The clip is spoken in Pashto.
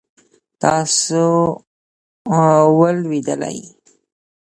تاسو ولوېدلئ؟